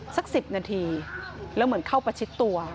สัก๑๐นาทีแล้วเหมือนเข้าประชิดตัว